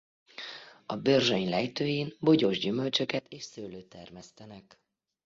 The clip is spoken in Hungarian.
A Börzsöny lejtőin bogyós gyümölcsöket és szőlőt termesztenek.